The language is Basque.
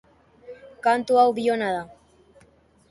Kantu hau biona da.